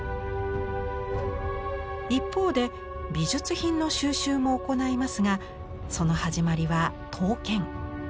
一方で美術品の収集も行いますがその始まりは刀剣。